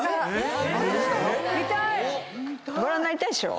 ご覧なりたいっしょ？